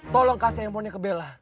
tolong kasih emonnya ke bella